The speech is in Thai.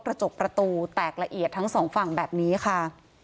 กระจกประตูแตกละเอียดทั้งสองฝั่งแบบนี้ค่ะ